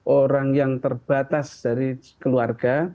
orang yang terbatas dari keluarga